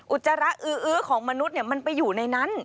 จจาระอื้อของมนุษย์มันไปอยู่ในนั้น